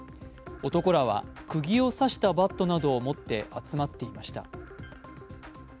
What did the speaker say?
男らは、くぎを刺したバットなどを持って集まっていました。